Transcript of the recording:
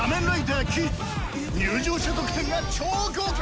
入場者特典が超豪華！